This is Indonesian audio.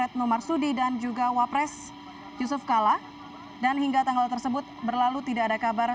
retno marsudi dan juga wapres yusuf kala dan hingga tanggal tersebut berlalu tidak ada kabar